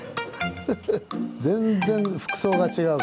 全然服装が違うからな。